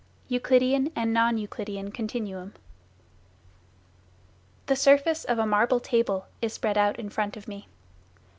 EUCLIDEAN AND NON EUCLIDEAN CONTINUUM The surface of a marble table is spread out in front of me.